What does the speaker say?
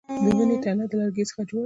د ونې تنه د لرګي څخه جوړه ده